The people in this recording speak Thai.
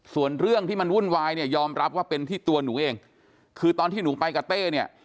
ส่วนเรื่องที่มันวุ่นวายเนี่ยยอมรับว่าเป็นที่ตัวหนูเองคือตอนที่หนูไปกับเต้เนี่ย